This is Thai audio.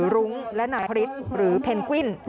รุงและนายภริษหรือเพนกวิ้น